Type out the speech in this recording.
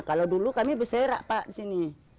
kalau dulu kami berserak pak disini